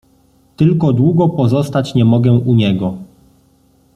Tylko długo pozostać nie mogę u niego.